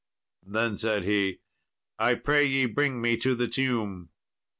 Then said he, "I pray ye bring me to the tomb."